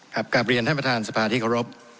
กลับเรียนท่านประธานสภาที่เคารพ